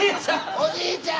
おじいちゃん！